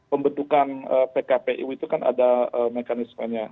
pembentukan pkpu itu kan ada mekanismenya